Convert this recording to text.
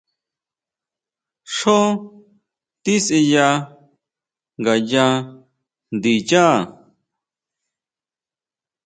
Xjó tisʼeya ngayá ndiyá.